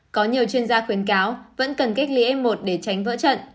có nhiều chuyên gia khuyến cáo vẫn cần cách ly f một để tránh vỡ trận